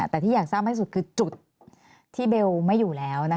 แต่ที่อยากทราบที่สุดคือจุดที่เบลไม่อยู่แล้ว